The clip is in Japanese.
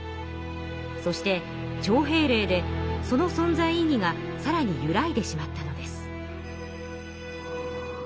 そして徴兵令でその存在意義がさらにゆらいでしまったのです。